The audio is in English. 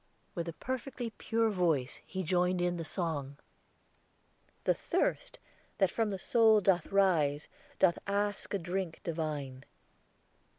With a perfectly pure voice he joined in the song: "The thirst that from the soul doth rise, Doth ask a drink divine."